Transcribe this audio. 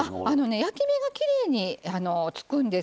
焼き目がきれいにつくんです。